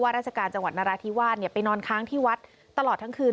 ราชการจังหวัดนราธิวาสไปนอนค้างที่วัดตลอดทั้งคืน